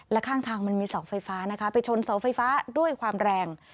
และข้างทางมันมีเสาไฟฟ้านะคะไปชนเสาไฟฟ้าด้วยความแรง